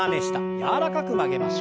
柔らかく曲げましょう。